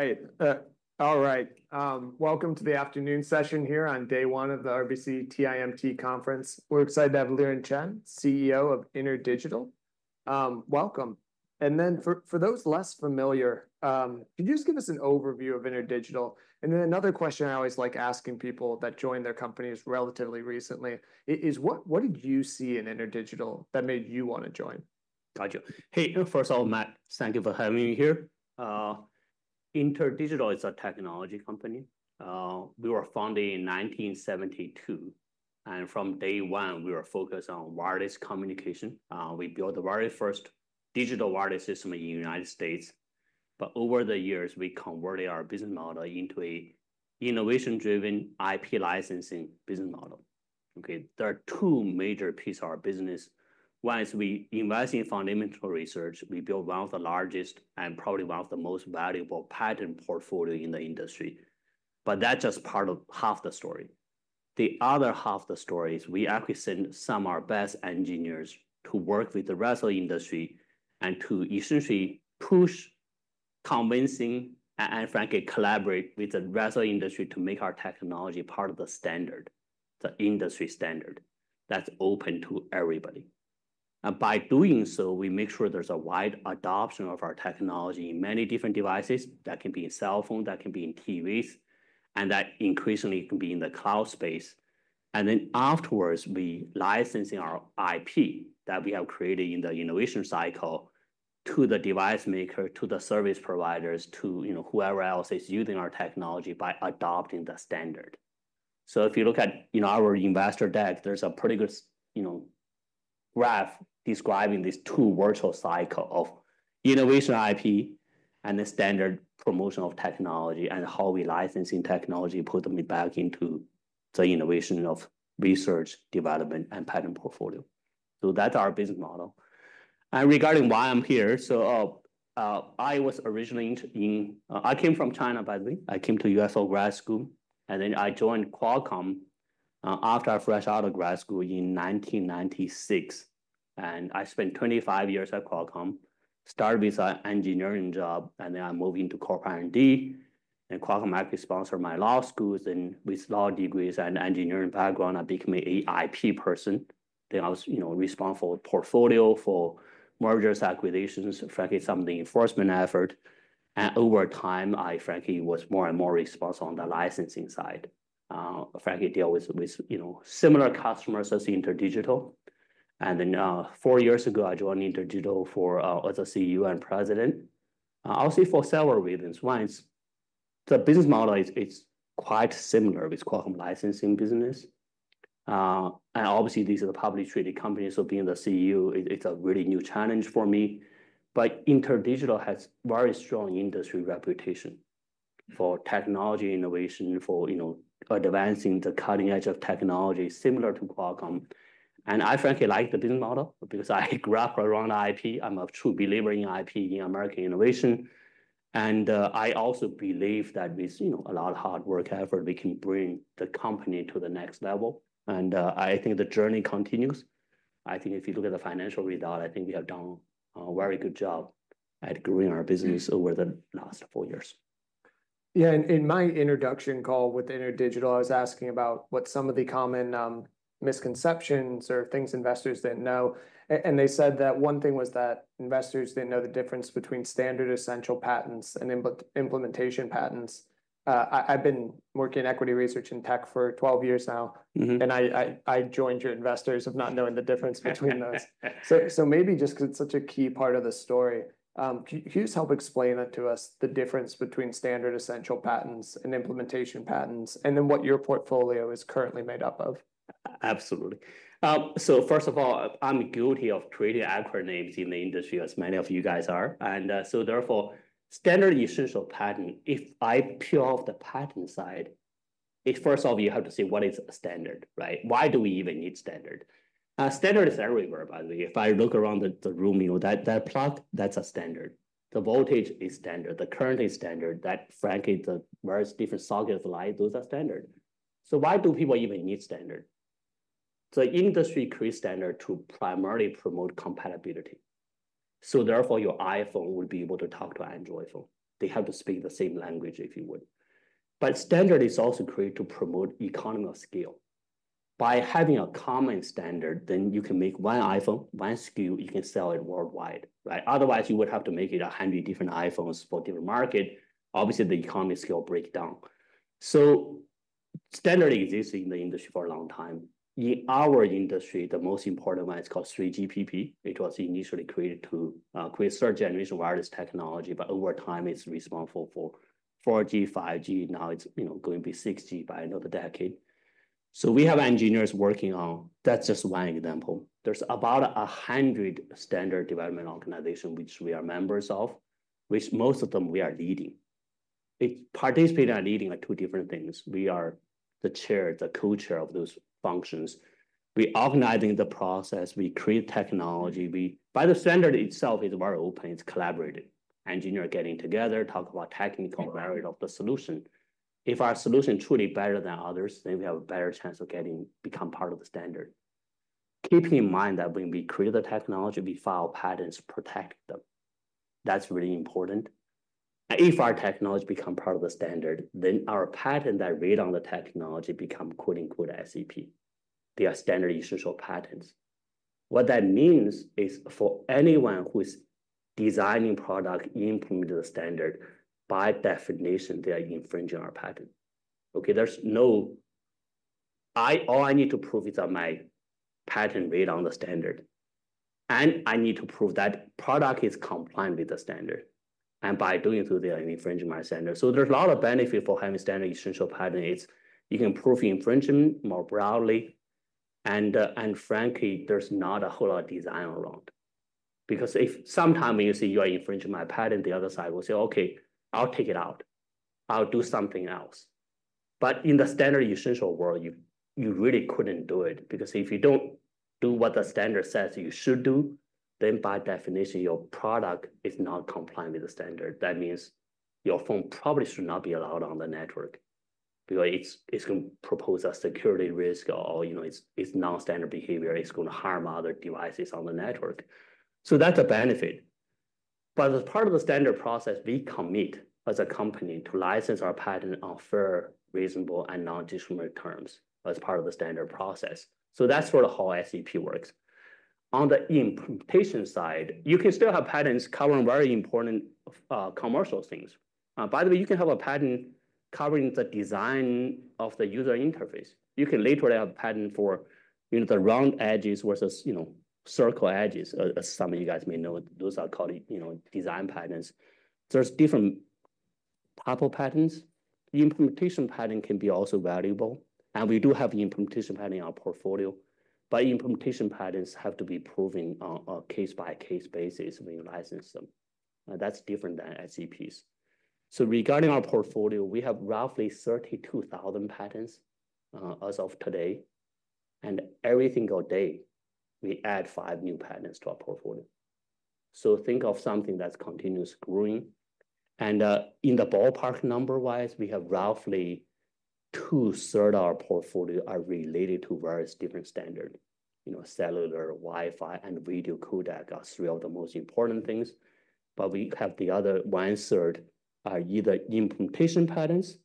All right. All right. Welcome to the afternoon session here on day one of the RBC TIMT Conference. We're excited to have Liren Chen, CEO of InterDigital. Welcome. And then for those less familiar, could you just give us an overview of InterDigital? And then another question I always like asking people that joined their companies relatively recently is, what did you see in InterDigital that made you want to join? Got you. Hey, first of all, Matt, thank you for having me here. InterDigital is a technology company. We were founded in 1972, and from day one, we were focused on wireless communication. We built the very first digital wireless system in the United States, but over the years, we converted our business model into an innovation-driven IP licensing business model. Okay, there are two major pieces of our business. One is we invest in fundamental research. We built one of the largest and probably one of the most valuable patent portfolios in the industry, but that's just part of half the story. The other half of the story is we actually sent some of our best engineers to work with the rest of the industry and to essentially push, convincing, and frankly, collaborate with the rest of the industry to make our technology part of the standard, the industry standard that's open to everybody. And by doing so, we make sure there's a wide adoption of our technology in many different devices. That can be in cell phones, that can be in TVs, and that increasingly can be in the cloud space. And then afterwards, we license our IP that we have created in the innovation cycle to the device maker, to the service providers, to whoever else is using our technology by adopting the standard. So if you look at our investor deck, there's a pretty good graph describing these two virtuous cycles of innovation IP and the standardization of technology and how we license technology to put them back into the innovation of research, development, and patent portfolio. So that's our business model. And regarding why I'm here, so I was originally from, I came from China, by the way. I came to U.S. grad school, and then I joined Qualcomm after I, fresh out of grad school in 1996. And I spent 25 years at Qualcomm, started with an engineering job, and then I moved into Corp. R&D. And Qualcomm actually sponsored my law school. And with law degrees and engineering background, I became an IP person. Then I was responsible for portfolio for mergers, acquisitions, frankly, some of the enforcement effort. And over time, I frankly was more and more responsible on the licensing side, frankly dealing with similar customers as InterDigital. And then four years ago, I joined InterDigital as a CEO and President. I'll say for several reasons. One is the business model is quite similar with Qualcomm licensing business. And obviously, these are the publicly traded companies. So being the CEO, it's a really new challenge for me. But InterDigital has a very strong industry reputation for technology innovation, for advancing the cutting edge of technology similar to Qualcomm. And I frankly like the business model because I grew up around IP. I'm a true believer in IP in American innovation. And I also believe that with a lot of hard work effort, we can bring the company to the next level. And I think the journey continues. I think if you look at the financial result, I think we have done a very good job at growing our business over the last four years. Yeah. And in my introduction call with InterDigital, I was asking about what some of the common misconceptions or things investors didn't know. And they said that one thing was that investors didn't know the difference between standard essential patents and implementation patents. I've been working in equity research and tech for 12 years now, and I join the investors in not knowing the difference between those. So maybe just because it's such a key part of the story, can you just help explain it to us, the difference between standard essential patents and implementation patents, and then what your portfolio is currently made up of? Absolutely, so first of all, I'm guilty of throwing acronyms in the industry, as many of you guys are, and so therefore, standard essential patent, if I peel off the patent side, first of all, you have to say, what is a standard? Why do we even need standard? Standard is everywhere, by the way. If I look around the room, that plug, that's a standard. The voltage is standard. The current is standard. That, frankly, the various different light sockets, those are standard, so why do people even need standard? The industry creates standard to primarily promote compatibility, so therefore, your iPhone would be able to talk to Android phone. They have to speak the same language, if you would, but standard is also created to promote economy of scale. By having a common standard, then you can make one iPhone, one SKU, you can sell it worldwide. Otherwise, you would have to make it 100 different iPhones for different markets. Obviously, the economy scale breaks down, so standard exists in the industry for a long time. In our industry, the most important one is called 3GPP. It was initially created to create third-generation wireless technology, but over time, it's responsible for 4G, 5G. Now it's going to be 6G by another decade, so we have engineers working on, that's just one example. There's about 100 standard development organizations, which we are members of, which most of them we are leading. Participating and leading are two different things. We are the chair, the co-chair of those functions. We're organizing the process. We create technology. By the standard itself, it's very open. It's collaborative. Engineers are getting together, talking about the technical merit of the solution. If our solution is truly better than others, then we have a better chance of getting to become part of the standard. Keeping in mind that when we create the technology, we file patents to protect them. That's really important. If our technology becomes part of the standard, then our patent that reads on the technology becomes quote-unquote SEP. They are standard essential patents. What that means is for anyone who is designing products implementing the standard, by definition, they are infringing our patent. All I need to prove is that my patent reads on the standard. And I need to prove that product is compliant with the standard. And by doing so, they are infringing my standard. So there's a lot of benefit for having standard essential patents. You can prove infringement more broadly. And frankly, there's not a whole lot of design around. Because if sometime you say you are infringing my patent, the other side will say, "Okay, I'll take it out. I'll do something else." But in the standard essential world, you really couldn't do it. Because if you don't do what the standard says you should do, then by definition, your product is not compliant with the standard. That means your phone probably should not be allowed on the network. It's going to pose a security risk or it's non-standard behavior. It's going to harm other devices on the network. So that's a benefit. But as part of the standard process, we commit as a company to license our patent on fair, reasonable, and non-discriminatory terms as part of the standard process. So that's sort of how SEP works. On the implementation side, you can still have patents covering very important commercial things. By the way, you can have a patent covering the design of the user interface. You can literally have a patent for the round edges versus circle edges, as some of you guys may know. Those are called design patents. There's different type of patents. Implementation patent can be also valuable, and we do have implementation patent in our portfolio, but implementation patents have to be proven on a case-by-case basis when you license them. That's different than SEPs, so regarding our portfolio, we have roughly 32,000 patents as of today, and every single day, we add five new patents to our portfolio, so think of something that's continuously growing, and in the ballpark number-wise, we have roughly two-thirds of our portfolio are related to various different standards. Cellular, Wi-Fi, and video codec are three of the most important things. But we have the other one-third are either implementation patents,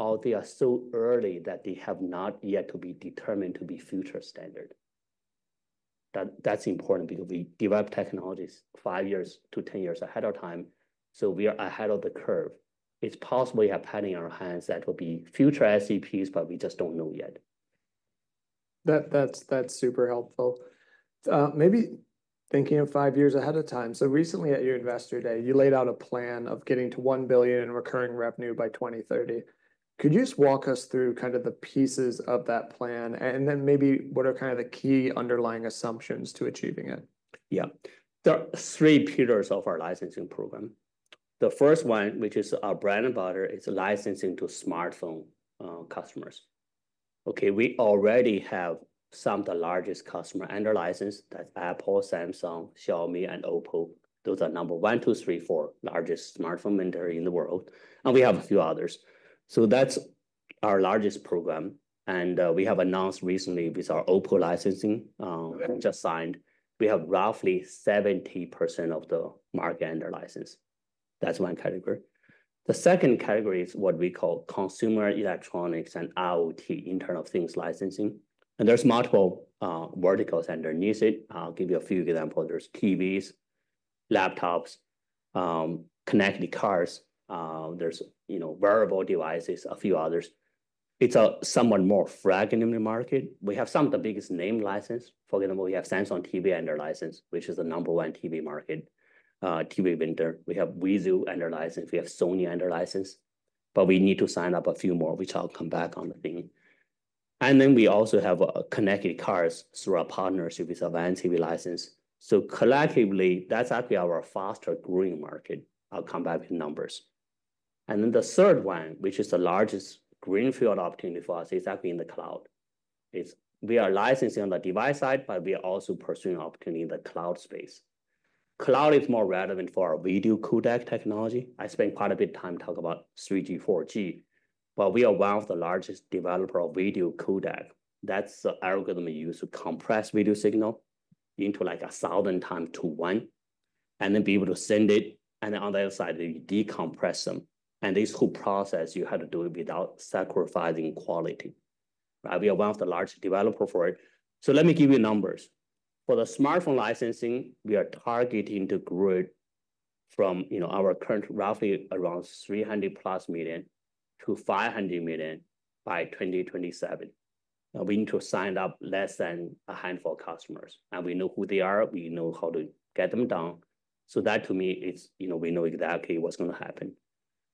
or they are so early that they have not yet to be determined to be future standard. That's important because we develop technologies five years to 10 years ahead of time. So we are ahead of the curve. It's possible we have patent in our hands that will be future SEPs, but we just don't know yet. That's super helpful. Maybe thinking of five years ahead of time. So recently at your investor day, you laid out a plan of getting to $1 billion in recurring revenue by 2030. Could you just walk us through kind of the pieces of that plan? And then maybe what are kind of the key underlying assumptions to achieving it? Yeah. There are three pillars of our licensing program. The first one, which is our bread and butter, is licensing to smartphone customers. Okay, we already have some of the largest customers under license. That's Apple, Samsung, Xiaomi, and Oppo. Those are number one, two, three, four largest smartphone vendors in the world. And we have a few others. So that's our largest program. And we have announced recently with our Oppo licensing just signed, we have roughly 70% of the market under license. That's one category. The second category is what we call consumer electronics and IoT, Internet of Things licensing. And there's multiple verticals underneath it. I'll give you a few examples. There's TVs, laptops, connected cars. There's wearable devices, a few others. It's somewhat more fragmented in the market. We have some of the biggest name license. For example, we have Samsung TV under license, which is the number one TV market, TV vendor. We have Vizio under license. We have Sony under license but we need to sign up a few more, which I'll come back on the thing. Then we also have connected cars through our partnership with Avanci. So collectively, that's actually our faster growing market, our combined numbers. Then the third one, which is the largest greenfield opportunity for us, is actually in the cloud. We are licensing on the device side, but we are also pursuing opportunity in the cloud space. Cloud is more relevant for our video codec technology. I spent quite a bit of time talking about 3G, 4G but we are one of the largest developers of video codec. That's the algorithm used to compress video signal into like 1,000 times to 1, and then be able to send it, and then on the other side, you decompress them, and this whole process, you have to do it without sacrificing quality. We are one of the largest developers for it, so let me give you numbers. For the smartphone licensing, we are targeting to grow it from our current roughly around 300-plus million to 500 million by 2027. We need to sign up less than a handful of customers, and we know who they are. We know how to get them down, so that, to me, we know exactly what's going to happen.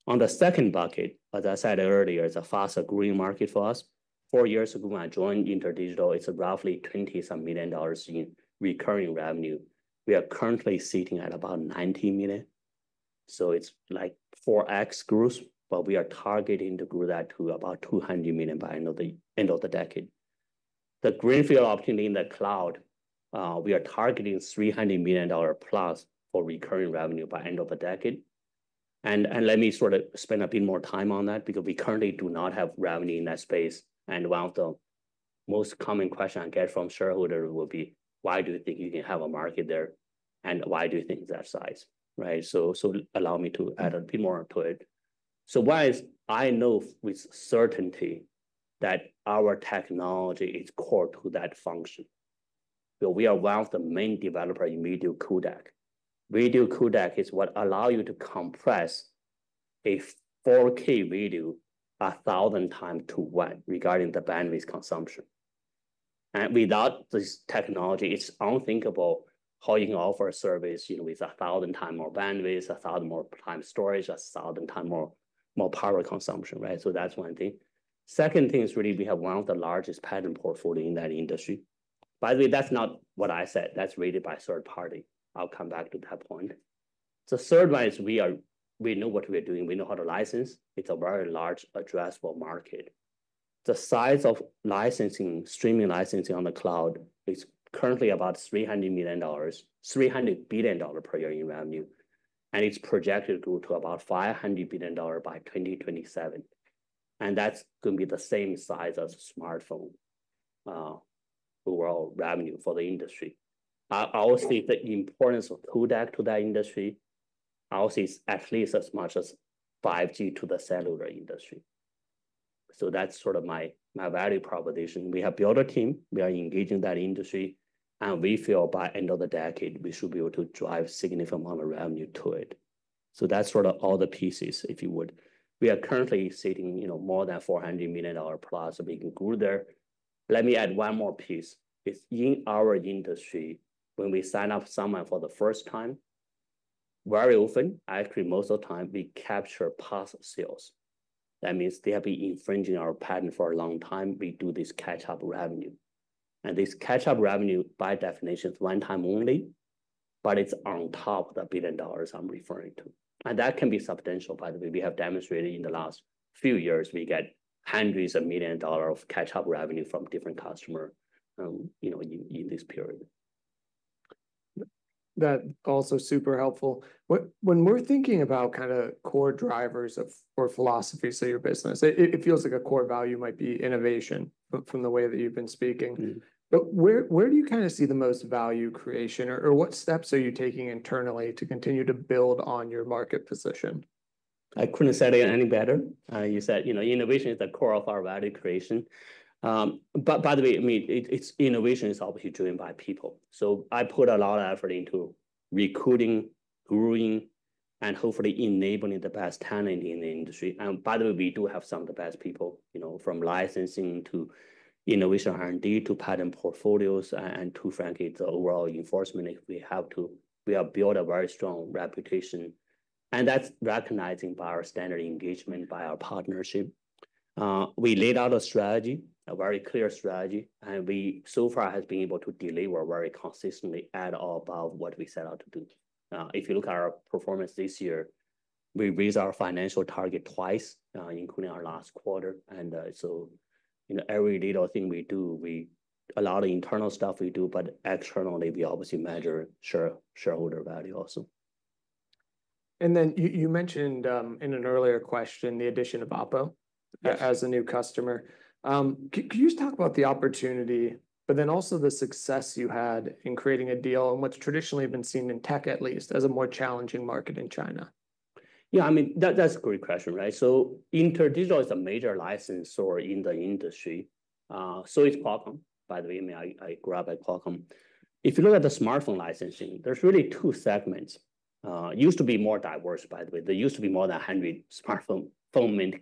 On the second bucket, as I said earlier, it's a faster growing market for us. Four years ago, when I joined InterDigital, it's roughly $20-some million in recurring revenue. We are currently sitting at about $90 million, so it's like 4x growth, but we are targeting to grow that to about $200 million by the end of the decade. The greenfield opportunity in the cloud, we are targeting $300 million plus for recurring revenue by the end of the decade, and let me sort of spend a bit more time on that because we currently do not have revenue in that space, and one of the most common questions I get from shareholders will be, "Why do you think you can have a market there? And why do you think it's that size?" So allow me to add a bit more to it. So why is I know with certainty that our technology is core to that function. We are one of the main developers in video codec. Video codec is what allows you to compress a 4K video 1,000 times to 1 regarding the bandwidth consumption, and without this technology, it's unthinkable how you can offer a service with 1,000 times more bandwidth, 1,000 more times storage, 1,000 times more power consumption, so that's one thing. Second thing is really we have one of the largest patent portfolios in that industry. By the way, that's not what I said. That's rated by a third party. I'll come back to that point. The third one is we know what we're doing. We know how to license. It's a very large addressable market. The size of streaming licensing on the cloud is currently about $300 billion per year in revenue, and it's projected to grow to about $500 billion by 2027, and that's going to be the same size as smartphone overall revenue for the industry. I also think the importance of codec to that industry. I'll say it's at least as much as 5G to the cellular industry, so that's sort of my value proposition. We have built a team. We are engaging that industry, and we feel by the end of the decade, we should be able to drive a significant amount of revenue to it, so that's sort of all the pieces, if you would. We are currently sitting more than $400 million plus of being grown there. Let me add one more piece. In our industry, when we sign up someone for the first time, very often, actually most of the time, we capture past sales. That means they have been infringing our patent for a long time. We do this catch-up revenue, and this catch-up revenue, by definition, is one-time only. But it's on top of the $1 billion I'm referring to. And that can be substantial, by the way. We have demonstrated in the last few years, we get hundreds of million dollars of catch-up revenue from different customers in this period. That's also super helpful. When we're thinking about kind of core drivers or philosophies of your business, it feels like a core value might be innovation from the way that you've been speaking. But where do you kind of see the most value creation? Or what steps are you taking internally to continue to build on your market position? I couldn't say it any better. You said innovation is the core of our value creation, but by the way, innovation is obviously driven by people, so I put a lot of effort into recruiting, growing, and hopefully enabling the best talent in the industry, and by the way, we do have some of the best people from licensing to innovation R&D to patent portfolios, and to frankly, the overall enforcement, we have built a very strong reputation, and that's recognized by our standard engagement, by our partnership. We laid out a strategy, a very clear strategy, and we so far have been able to deliver very consistently at or above what we set out to do. If you look at our performance this year, we raised our financial target twice, including our last quarter. And so every little thing we do, a lot of internal stuff we do, but externally, we obviously measure shareholder value also. And then you mentioned in an earlier question the addition of Oppo as a new customer. Could you just talk about the opportunity, but then also the success you had in creating a deal in what's traditionally been seen in tech, at least, as a more challenging market in China? Yeah, I mean, that's a great question. InterDigital is a major licensor in the industry. It's Qualcomm, by the way. I grew up at Qualcomm. If you look at the smartphone licensing, there's really two segments. It used to be more diverse, by the way. There used to be more than 100 smartphone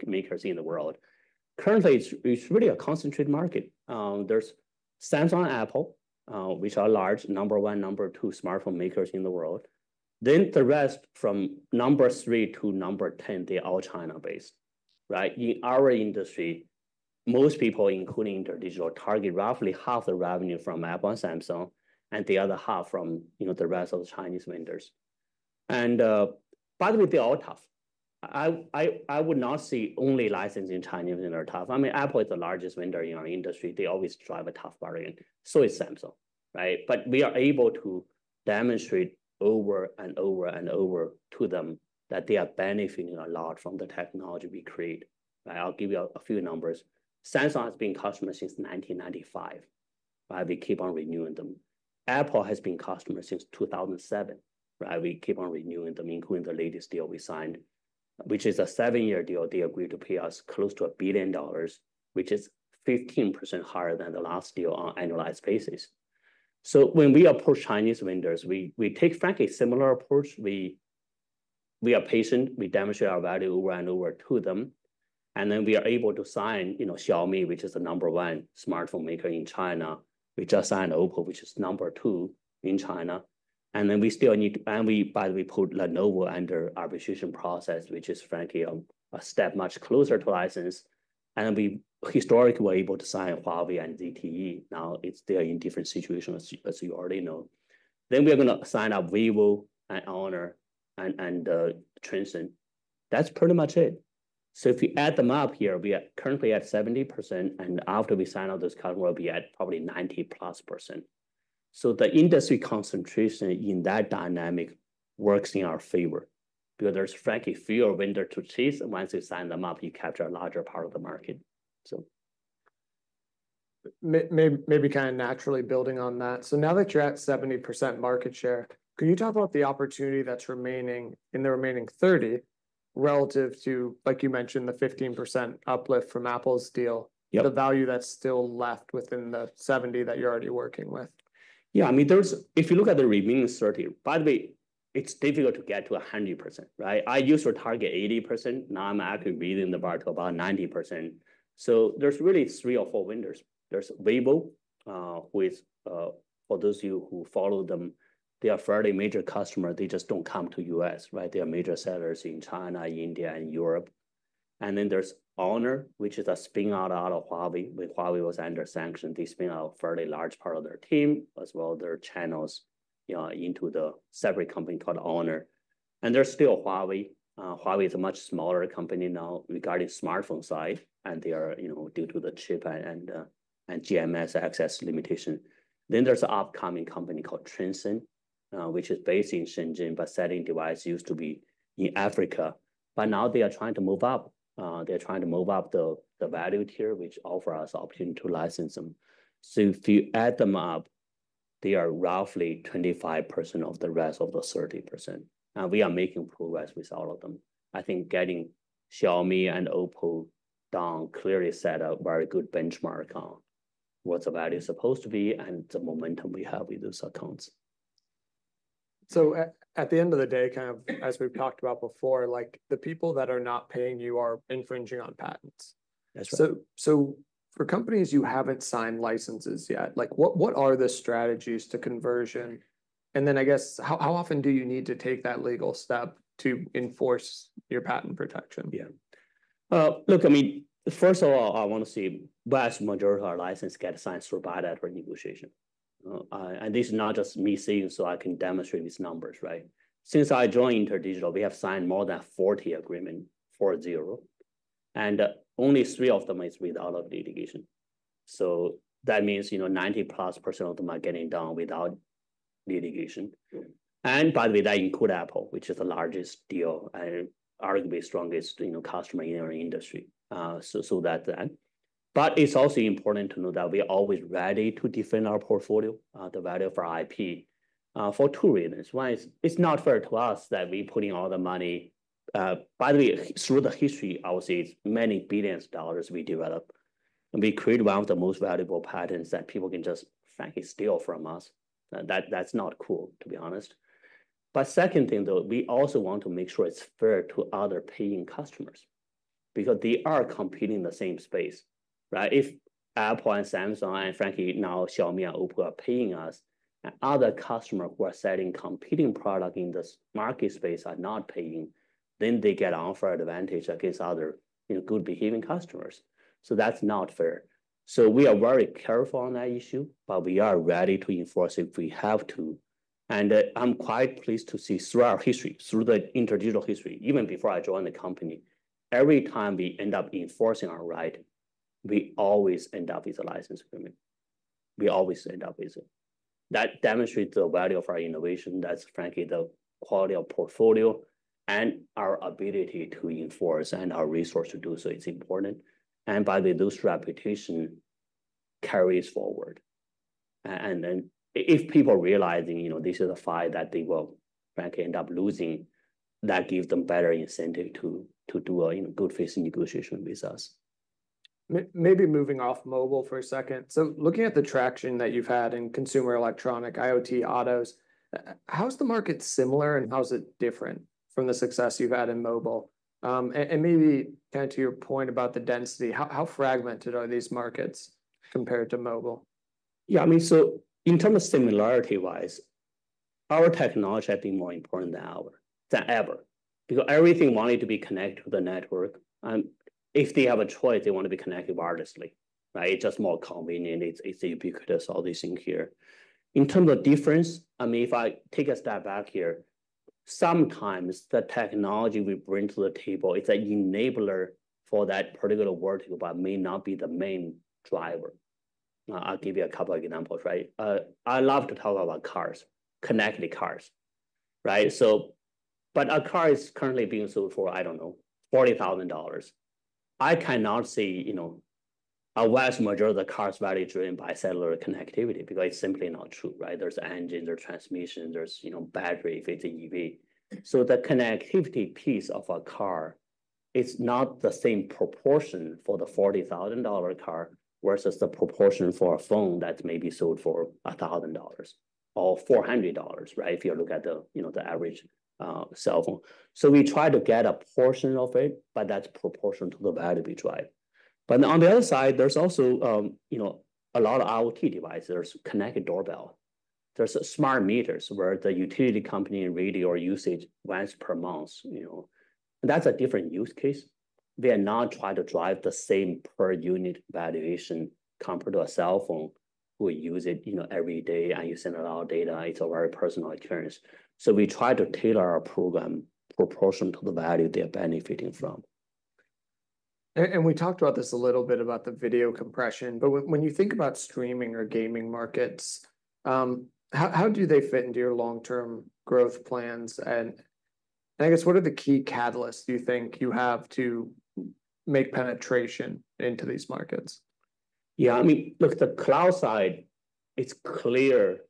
makers in the world. Currently, it's really a concentrated market. There's Samsung and Apple, which are large number one, number two smartphone makers in the world. Then the rest from number three to number 10, they're all China-based. In our industry, most people, including InterDigital, target roughly half the revenue from Apple and Samsung, and the other half from the rest of the Chinese vendors. By the way, they're all tough. I would not say only licensing Chinese vendors are tough. I mean, Apple is the largest vendor in our industry. They always drive a tough bargain. So is Samsung. But we are able to demonstrate over and over and over to them that they are benefiting a lot from the technology we create. I'll give you a few numbers. Samsung has been a customer since 1995. We keep on renewing them. Apple has been a customer since 2007. We keep on renewing them, including the latest deal we signed, which is a seven-year deal. They agreed to pay us close to $1 billion, which is 15% higher than the last deal on an annualized basis. So when we approach Chinese vendors, we take, frankly, a similar approach. We are patient. We demonstrate our value over and over to them. And then we are able to sign Xiaomi, which is the number one smartphone maker in China. We just signed Oppo, which is number two in China. And then we still need to, and we, by the way, put Lenovo under arbitration process, which is, frankly, a step much closer to license. And we historically were able to sign Huawei and ZTE. Now it's still in different situations, as you already know. Then we are going to sign up Vivo and Honor and Transsion. That's pretty much it. So if you add them up here, we are currently at 70%. And after we sign up those customers, we'll be at probably 90 plus percent So the industry concentration in that dynamic works in our favor because there's, frankly, fewer vendors to choose. Once you sign them up, you capture a larger part of the market. Maybe kind of naturally building on that. So now that you're at 70% market share, could you talk about the opportunity that's remaining in the remaining 30 relative to, like you mentioned, the 15% uplift from Apple's deal, the value that's still left within the 70 that you're already working with? Yeah. I mean, if you look at the remaining 30, by the way, it's difficult to get to 100%. I used to target 80%. Now I'm actually raising the bar to about 90%. So there's really three or four vendors. There's Vivo, which for those of you who follow them, they are fairly major customers. They just don't come to the U.S. They are major sellers in China, India, and Europe. And then there's Honor, which is a spin-off out of Huawei. When Huawei was under sanctions, they spun out a fairly large part of their team, as well as their channels into the separate company called Honor. And there's still Huawei. Huawei is a much smaller company now regarding the smartphone side. And they are due to the chip and GMS access limitation. Then there's an upcoming company called Transsion, which is based in Shenzhen, but selling devices used to be in Africa. But now they are trying to move up. They're trying to move up the value tier, which offers us the opportunity to license them. So if you add them up, they are roughly 25% of the rest of the 30%. And we are making progress with all of them. I think getting Xiaomi and Oppo down clearly set a very good benchmark on what the value is supposed to be and the momentum we have with those accounts. So at the end of the day, kind of as we've talked about before, the people that are not paying you are infringing on patents. That's right. So for companies you haven't signed licenses yet, what are the strategies to conversion? And then I guess, how often do you need to take that legal step to enforce your patent protection? Yeah. Look, I mean, first of all, I want to say the vast majority of our licenses get signed through buyback renegotiation. And this is not just me saying so, I can demonstrate these numbers. Since I joined InterDigital, we have signed more than 40 agreements for zero. And only three of them are without litigation. So that means 90 plus percent of them are getting done without litigation. And by the way, that includes Apple, which is the largest deal and arguably the strongest customer in our industry. So that's that. But it's also important to know that we are always ready to defend our portfolio, the value of our IP, for two reasons. One, it's not fair to us that we're putting all the money. By the way, through the history, I would say it's many billions of dollars we developed. And we create one of the most valuable patents that people can just frankly steal from us. That's not cool, to be honest. But second thing, though, we also want to make sure it's fair to other paying customers because they are competing in the same space. If Apple and Samsung and frankly now Xiaomi and Oppo are paying us, and other customers who are selling competing products in this market space are not paying, then they get an unfair advantage against other well-behaved customers. So that's not fair. So we are very careful on that issue, but we are ready to enforce it if we have to. And I'm quite pleased to see through our history, through the InterDigital history, even before I joined the company, every time we end up enforcing our right, we always end up with a license agreement. We always end up with it. That demonstrates the value of our innovation. That's frankly the quality of portfolio and our ability to enforce and our resource to do so. It's important. And by the way, those reputations carry us forward. And then if people realize this is a fight that they will frankly end up losing, that gives them better incentive to do a good faith negotiation with us. Maybe moving off mobile for a second. So looking at the traction that you've had in consumer electronics, IoT, autos, how is the market similar and how is it different from the success you've had in mobile, and maybe kind of to your point about the density, how fragmented are these markets compared to mobile? Yeah. I mean, so in terms of similarity-wise, our technology has been more important than ever because everything wanted to be connected to the network. And if they have a choice, they want to be connected wirelessly. It's just more convenient. It's ubiquitous, all these things here. In terms of difference, I mean, if I take a step back here, sometimes the technology we bring to the table is an enabler for that particular vertical, but may not be the main driver. I'll give you a couple of examples. I love to talk about cars, connected cars. But a car is currently being sold for, I don't know, $40,000. I cannot say a vast majority of the car's value is driven by cellular connectivity because it's simply not true. There's engines, there's transmissions, there's battery if it's an EV. So the connectivity piece of a car is not the same proportion for the $40,000 car versus the proportion for a phone that may be sold for $1,000 or $400 if you look at the average cell phone. So we try to get a portion of it, but that's proportional to the value we drive. But on the other side, there's also a lot of IoT devices. There's connected doorbell. There's smart meters where the utility company reads your usage once per month. That's a different use case. They are not trying to drive the same per-unit valuation compared to a cell phone who will use it every day and you send a lot of data. It's a very personal experience. So we try to tailor our program proportional to the value they're benefiting from. And we talked about this a little bit about the video compression. But when you think about streaming or gaming markets, how do they fit into your long-term growth plans? And I guess, what are the key catalysts you think you have to make penetration into these markets? Yeah. I mean, look, the cloud side, it's clear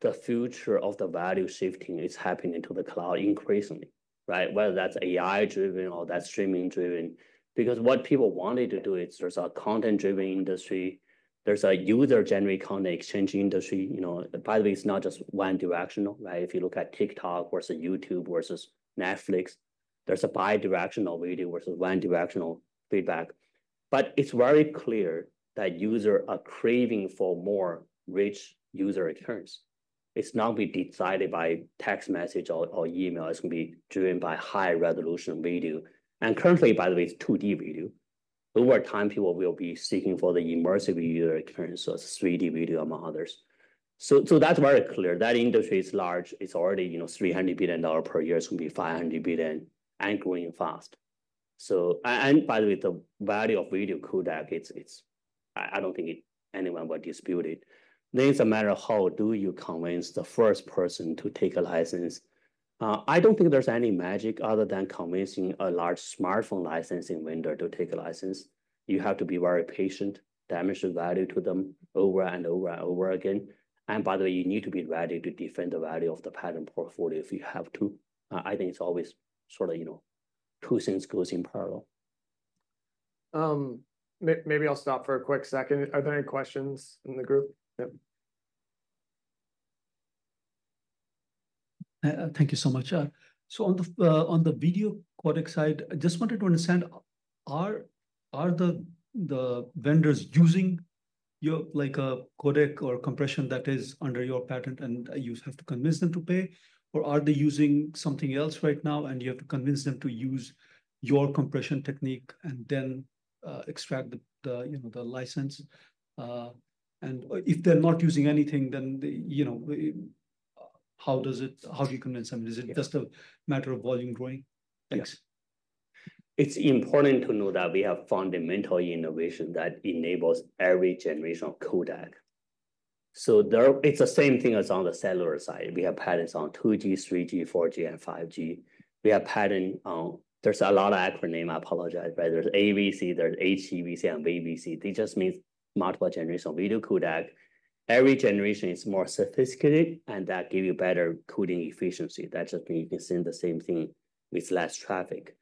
the future of the value shifting is happening to the cloud increasingly, whether that's AI-driven or that's streaming-driven. Because what people wanted to do is there's a content-driven industry. There's a user-generated content exchange industry. By the way, it's not just one-directional. If you look at TikTok versus YouTube versus Netflix, there's a bidirectional video versus one-directional feedback. But it's very clear that users are craving for more rich user experience. It's not going to be decided by text message or email. It's going to be driven by high-resolution video. And currently, by the way, it's 2D video. Over time, people will be seeking for the immersive user experience, so it's 3D video among others. So that's very clear. That industry is large. It's already $300 billion per year. It's going to be $500 billion and growing fast. And by the way, the value of video codec, I don't think anyone will dispute it. Then it's a matter of how do you convince the first person to take a license. I don't think there's any magic other than convincing a large smartphone licensing vendor to take a license. You have to be very patient, demonstrate value to them over and over and over again. And by the way, you need to be ready to defend the value of the patent portfolio if you have to. I think it's always sort of two things going in parallel. Maybe I'll stop for a quick second. Are there any questions in the group? Thank you so much. So on the video codec side, I just wanted to understand, are the vendors using your codec or compression that is under your patent and you have to convince them to pay? Or are they using something else right now, and you have to convince them to use your compression technique and then extract the license? And if they're not using anything, then how do you convince them? Is it just a matter of volume growing? Thanks. It's important to know that we have fundamental innovation that enables every generation of codec, so it's the same thing as on the cellular side. We have patents on 2G, 3G, 4G, and 5G. We have patents on. There's a lot of acronyms. I apologize. There's AVC, there's HEVC, and VVC. They just mean multiple generation video codec. Every generation is more sophisticated, and that gives you better coding efficiency. That just means you can send the same thing with less traffic,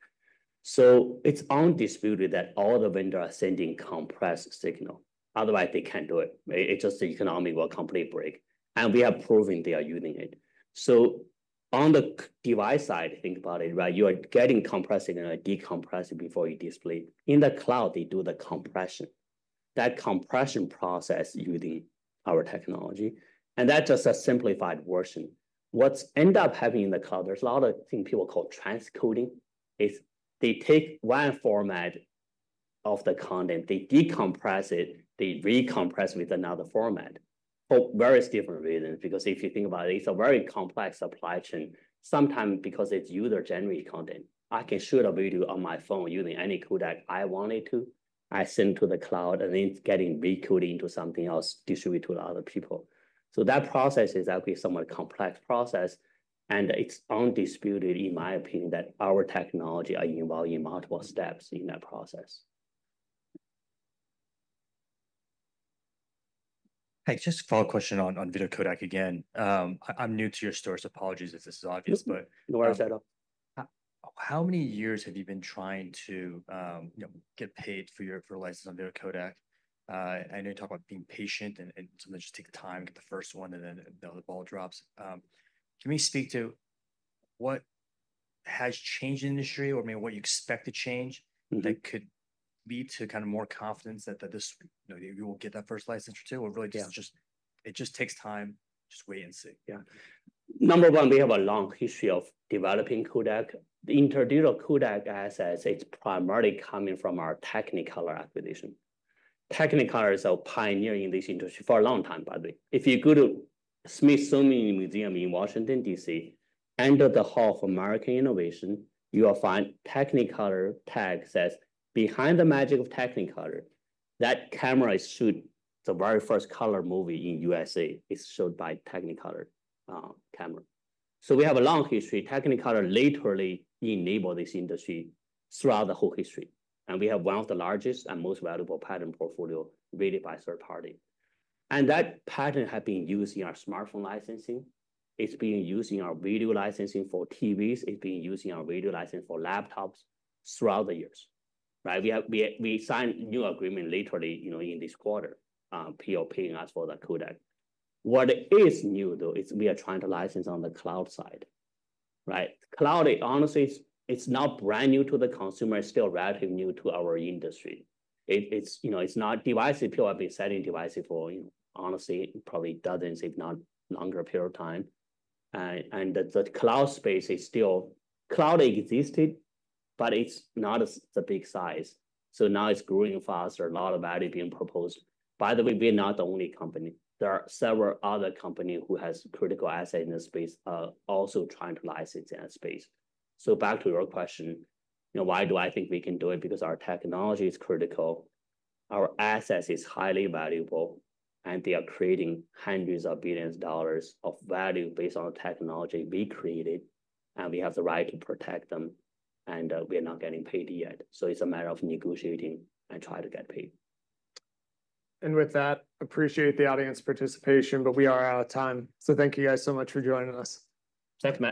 so it's undisputed that all the vendors are sending compressed signal. Otherwise, they can't do it. It's just the economy will completely break, and we have proven they are using it, so on the device side, think about it. You are getting compressed signal and decompressed before you display it. In the cloud, they do the compression. That compression process is using our technology. And that's just a simplified version. What's ended up happening in the cloud, there's a lot of things people call transcoding. They take one format of the content, they decompress it, they recompress it with another format for various different reasons. Because if you think about it, it's a very complex supply chain. Sometimes because it's user-generated content, I can shoot a video on my phone using any codec I wanted to. I send it to the cloud, and then it's getting recoded into something else, distributed to other people. So that process is actually a somewhat complex process. And it's undisputed, in my opinion, that our technology is involved in multiple steps in that process. Hey, just a follow-up question on video codec again. I'm new to your story. Apologies if this is obvious, but. No worries. How many years have you been trying to get paid for your license on video codec? I know you talk about being patient and sometimes just take the time, get the first one, and then the ball drops. Can we speak to what has changed in the industry or maybe what you expect to change that could lead to kind of more confidence that you will get that first license or two? Or really, it just takes time. Just wait and see. Yeah. Number one, we have a long history of developing codec. The InterDigital Codec asset, it's primarily coming from our Technicolor acquisition. Technicolor is a pioneer in this industry for a long time, by the way. If you go to Smithsonian Museum in Washington, D.C., under the Hall of American Innovation, you will find Technicolor tag says behind the magic of Technicolor, that camera is shot. The very first color movie in the USA is shot by Technicolor camera. So we have a long history. Technicolor literally enabled this industry throughout the whole history. We have one of the largest and most valuable patent portfolios rated by third party. That patent has been used in our smartphone licensing. It's being used in our video licensing for TVs. It's being used in our video licensing for laptops throughout the years. We signed a new agreement literally in this quarter. Oppo asked for the codec. What is new, though, is we are trying to license on the cloud side. Cloud, honestly, it's not brand new to the consumer. It's still relatively new to our industry. It's not devices. People have been selling devices for, honestly, probably dozens, if not a longer period of time, and the cloud space is still cloud existed, but it's not the big size, so now it's growing faster. A lot of value being proposed. By the way, we're not the only company. There are several other companies who have critical assets in the space also trying to license in that space, so back to your question, why do I think we can do it? Because our technology is critical. Our assets are highly valuable, and they are creating hundreds of billions of dollars of value based on the technology we created. And we have the right to protect them. And we are not getting paid yet. So it's a matter of negotiating and trying to get paid. With that, I appreciate the audience participation, but we are out of time. Thank you guys so much for joining us. Thank you.